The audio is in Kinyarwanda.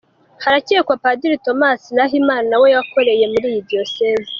Harakekwa Padiri Thomas Nahimana nawe wakoreye muri iyi Diyoseze.